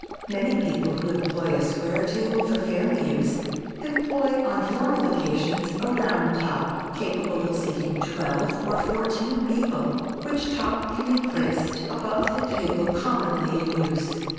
Many people who employ a square table for family use, employ on formal occasions a round top, capable of seating twelve or fourteen people, which top can be placed above the table commonly in use.